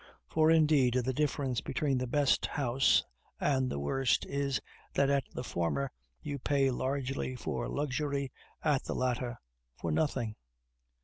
for, indeed, the difference between the best house and the worst is, that at the former you pay largely for luxury, at the latter for nothing.